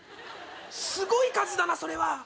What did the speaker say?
すごい数だなそれは。